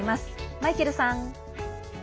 マイケルさん。